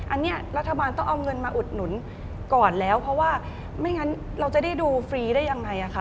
อันนี้รัฐบาลต้องเอาเงินมาอุดหนุนก่อนแล้วเพราะว่าไม่งั้นเราจะได้ดูฟรีได้ยังไงคะ